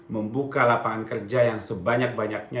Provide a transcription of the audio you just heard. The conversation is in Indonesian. membuka lapangan kerja yang sebanyak banyaknya